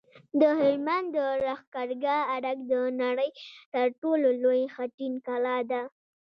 د هلمند د لښکرګاه ارک د نړۍ تر ټولو لوی خټین کلا ده